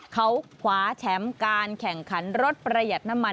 เขาคว้าแชมป์การแข่งขันรถประหยัดน้ำมัน